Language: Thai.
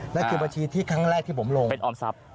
นั่นคือบัญชีที่ครั้งแรกที่ผมลงเป็นออมทรัพย์